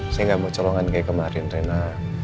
saya gak mau ke colongan kayak kemarin reina